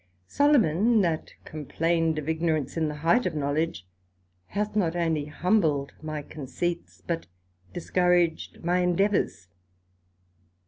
Solomon, that complained of ignorance in the height of knowledge, hath not only humbled my conceits, but discouraged my endeavours.